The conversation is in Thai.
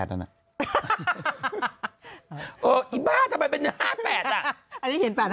ทะเบียนต้องมีเนอะอย่าบอกว่า๕๘นะ